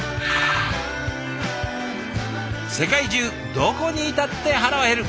世界中どこにいたって腹は減る。